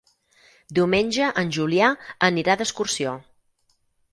Diumenge en Julià anirà d'excursió.